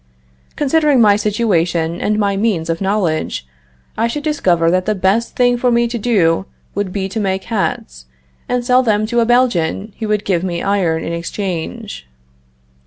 Considering my situation, and my means of knowledge, I should discover that the best thing for me to do would be to make hats, and sell them to a Belgian who would give me iron in exchange.